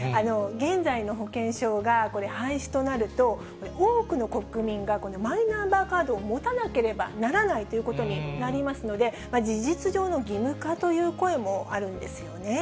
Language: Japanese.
現在の保険証がこれ、廃止となると、多くの国民がマイナンバーカードを持たなければならないということになりますので、事実上の義務化という声もあるんですよね。